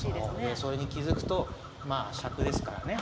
それに気付くとまあしゃくですからね。